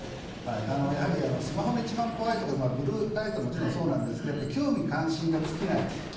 やはりスマホの一番怖いところでブルーライトももちろんそうなんですが興味関心が尽きない。